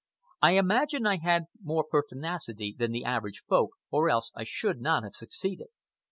I imagine I had more pertinacity than the average Folk, or else I should not have succeeded.